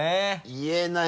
言えない